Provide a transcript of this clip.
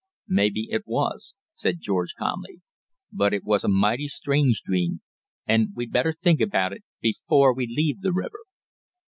"May be it was," said George calmly; "but it was a mighty strange dream, and we'd better think about it before we leave the river.